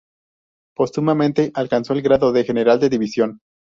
Póstumamente, alcanzó el grado de general de División.